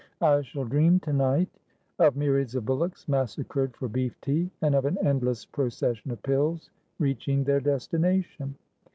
I shall dream to night of myriads of bullocks massacred for beef tea, and of an endless procession of pillsreaching their destination.